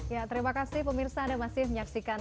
ya terima kasih pak mirsa ada masih menyaksikan